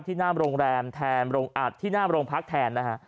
หน้าโรงแรมแทนโรงอัดที่หน้าโรงพักแทนนะฮะ